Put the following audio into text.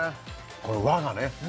この和がね